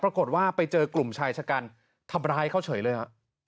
ปรากฏว่าไปเจอกลุ่มชายชะกันทำร้ายเขาเฉยเลยฮะ